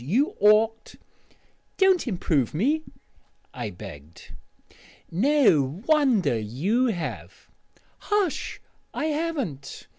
You ought " "Don't improve me," I begged. "No wonder you have " "Hush! I haven't.